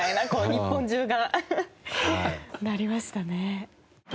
日本中がなりましたね。